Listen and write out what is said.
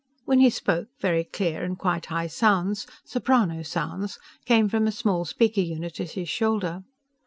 When he spoke, very clear and quite high sounds soprano sounds came from a small speaker unit at his shoulder.